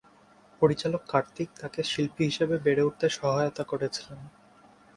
পরিচালক কার্তিক তাকে শিল্পী হিসেবে বেড়ে উঠতে সহায়তা করেছিলেন।